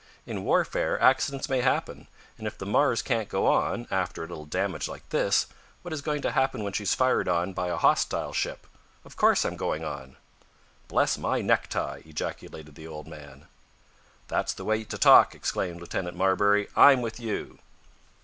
"In warfare accidents may happen, and if the Mars can't go on, after a little damage like this, what is going to happen when she's fired on by a hostile ship? Of course I'm going on!" "Bless my necktie!" ejaculated the odd man. "That's the way to talk!" exclaimed Lieutenant Marbury. "I'm with you."